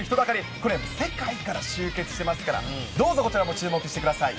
これ世界から集結してますから、どうぞ、こちらも注目してください。